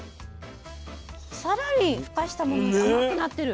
更にふかしたものより甘くなってる。